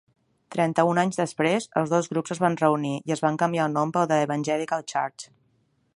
Trenta-un anys després, els dos grups es van reunir i es van canviar el nom pel de The Evangelical Church.